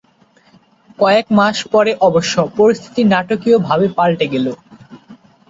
কয়েক মাস পরে অবশ্য পরিস্থিতি নাটকীয়ভাবে পাল্টে গেল।